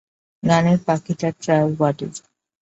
গানের পাখি তার ট্রাউবাদুর।